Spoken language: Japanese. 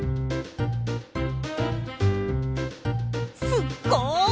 すっごい！